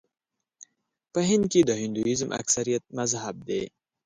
په هند کې د هندويزم اکثریت مذهب دی.